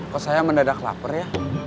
kok saya mendadak lapar ya